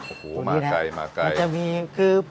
โอ้โหมาใกล้